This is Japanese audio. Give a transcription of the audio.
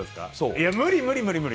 いや、無理無理無理。